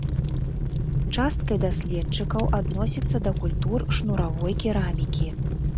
Часткай даследчыкаў адносіцца да культур шнуравой керамікі.